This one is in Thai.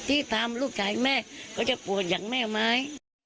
ที่ตามลูกขาให้แม่ก็จะปวดอย่างแม่ไม้